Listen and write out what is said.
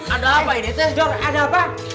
ada apa itu visjor ada apa